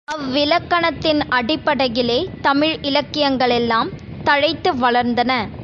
அவ்விலக்கணத்தின் அடிப்படையிலேயே தமிழ் இலக்கியங்களெல்லாம் தழைத்து வளர்ந்தன.